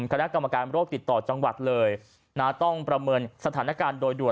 คณะกรรมการโรคติดต่อจังหวัดเลยนะต้องประเมินสถานการณ์โดยด่วน